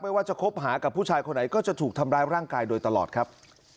ว่าจะคบหากับผู้ชายคนไหนก็จะถูกทำร้ายร่างกายโดยตลอดครับ